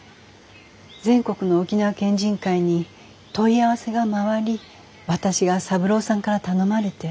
全国の沖縄県人会に問い合わせが回り私が三郎さんから頼まれて。